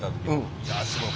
いやすごい。